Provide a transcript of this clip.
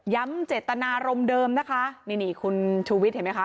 เจตนารมณ์เดิมนะคะนี่นี่คุณชูวิทย์เห็นไหมคะ